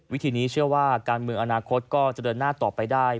วิธีนี้เชื่อว่าการเมืองอนาคตก็จะเดินหน้าต่อไปได้